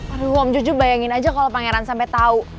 aduh om jujur bayangin aja kalau pangeran sampai tau